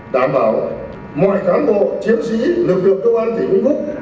đảm bảo mọi cán bộ chiến sĩ lực lượng công an tỉnh vĩnh phúc